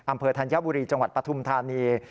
อำเภอธัญบุรีจังหวัดปฐุมธานี